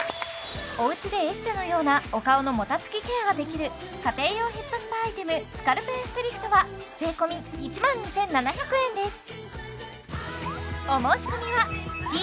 おうちでエステのようなお顔のもたつきケアができる家庭用ヘッドスパアイテムスカルプエステリフトは税込１万２７００円です